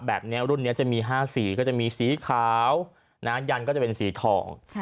แบบนี้รุ่นนี้จะมี๕สีก็จะมีสีขาวยันก็จะเป็นสีทอง